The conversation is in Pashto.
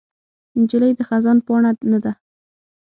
نجلۍ د خزان پاڼه نه ده.